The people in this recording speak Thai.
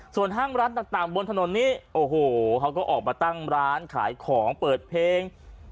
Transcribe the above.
ส่วนห้างร้านต่างบนถนนนี้โอ้โหเขาก็ออกมาตั้งร้านขายของเปิดเพลง